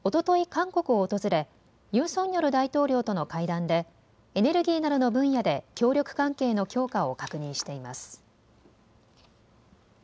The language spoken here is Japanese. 韓国を訪れユン・ソンニョル大統領との会談でエネルギーなどの分野で協力関係の強化を確認しています。